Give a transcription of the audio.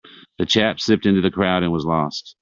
The chap slipped into the crowd and was lost.